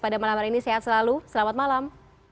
pada malam hari ini sehat selalu selamat malam